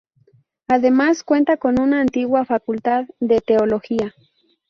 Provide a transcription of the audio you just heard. Además, cuenta con una antigua Facultad de Teología.